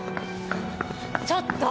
ちょっと！